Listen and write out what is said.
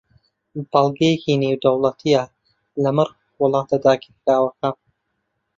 بەڵگەیەکی نێونەتەوەیییە لەمەڕ وڵاتە داگیرکراوەکان